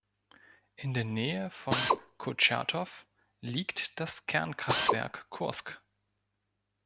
In der Nähe von Kurtschatow liegt das Kernkraftwerk Kursk.